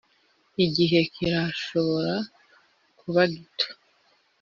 igihe kirashobora kuba gito.